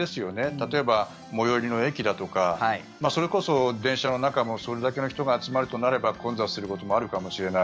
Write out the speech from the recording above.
例えば、最寄りの駅だとかそれこそ電車の中もそれだけの人が集まるとなれば混雑することもあるかもしれない。